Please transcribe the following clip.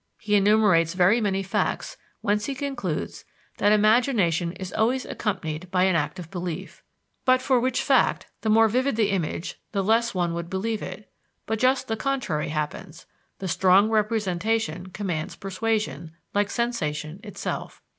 He enumerates very many facts whence he concludes that imagination is always accompanied by an act of belief, but for which fact the more vivid the image, the less one would believe it; but just the contrary happens the strong representation commands persuasion like sensation itself.